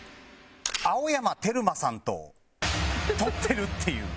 青山テルマさんと撮ってるっていう。